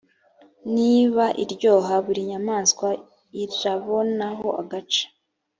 niba iryoha buri nyamaswa irabonaho agace